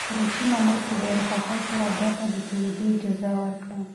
روسي مامور په ډېرې خوښۍ سره ده ته د تېرېدو اجازه ورکړه.